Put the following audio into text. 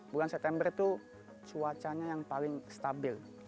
bulan september itu cuacanya yang paling stabil